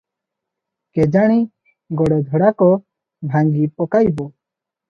କେଜାଣି ଗୋଡ଼ ଯୋଡ଼ାକ ଭାଙ୍ଗି ପକାଇବ ।